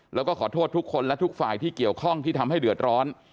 แล้วก็ขอโทษทุกคนและทุกฝ่ายที่เกี่ยวข้องที่ทำให้เดือดร้อน